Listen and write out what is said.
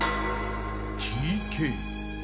Ｔ．Ｋ。